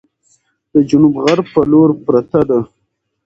د جنوب غرب په لور پرته ده،